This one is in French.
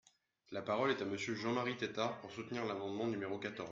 La parole est à Monsieur Jean-Marie Tetart, pour soutenir l’amendement numéro quatorze.